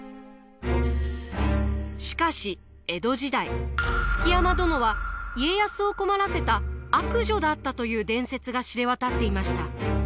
しかし江戸時代築山殿は家康を困らせた悪女だったという伝説が知れ渡っていました。